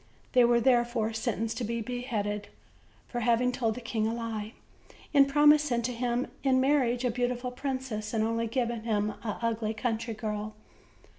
They were, therefore, sentenced to be beheaded, for having told the king a lie, in promising to him in marriage a beautiful princess, and only giving him an ugly country girl.